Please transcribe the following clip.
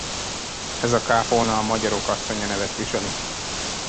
Ez a kápolna a Magyarok-asszonya nevet viseli.